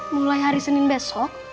mulai hari senin besok